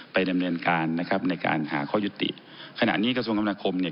ดำเนินการนะครับในการหาข้อยุติขณะนี้กระทรวงคำนาคมเนี่ย